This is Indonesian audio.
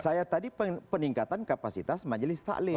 saya tadi peningkatan kapasitas majelis ta'lim